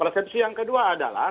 persepsi yang kedua adalah